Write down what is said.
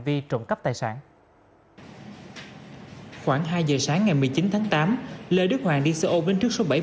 vi trộm cắp tài sản khoảng hai giờ sáng ngày một mươi chín tháng tám lê đức hoàng đi xe ô bên trước số bảy mươi